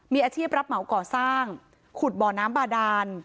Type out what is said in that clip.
มีอาชีพรับเหมาก่อสร้างขุดบ่อน้ำบาดาน